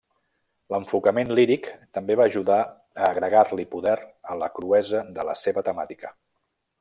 L'enfocament líric també va ajudar a agregar-li poder a la cruesa de la seva temàtica.